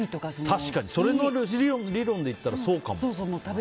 確かに、その理論で言ったらそうかも。